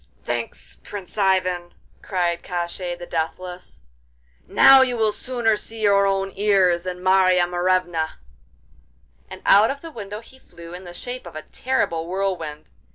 'Thanks, Prince Ivan!' cried Koshchei the Deathless, 'now you will sooner see your own ears than Marya Morevna!' and out of the window he flew in the shape of a terrible whirlwind.